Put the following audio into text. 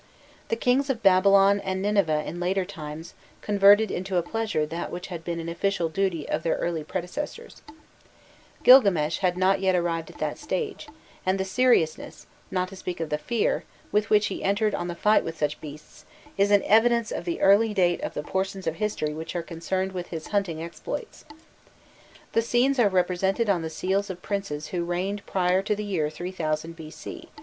The kings of Babylon and Nineveh in later times converted into a pleasure that which had been an official duty of their early predecessors: Gilgames had not yet arrived at that stage, and the seriousness, not to speak of the fear, with which he entered on the fight with such beasts, is an evidence of the early date of the portions of his history which are concerned with his hunting exploits. The scenes are represented on the seals of princes who reigned prior to the year 3000 B.C.